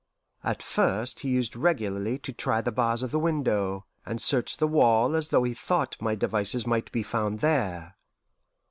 At first he used regularly to try the bars of the window, and search the wall as though he thought my devices might be found there.